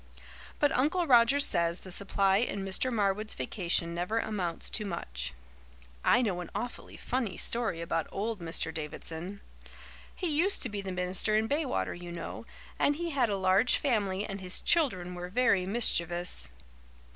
But Uncle Roger says the supply in Mr. Marwood's vacation never amounts to much. I know an awfully funny story about old Mr. Davidson. He used to be the minister in Baywater, you know, and he had a large family and his children were very mischievous.